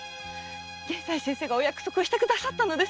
玄斉先生が約束してくださったのです。